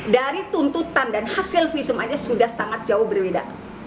dari tuntutan dan hasil visum aja sudah sangat jauh berbeda